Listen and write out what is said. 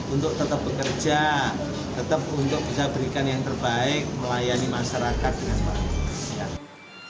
untuk tetap bekerja tetap untuk bisa berikan yang terbaik melayani masyarakat dengan bagus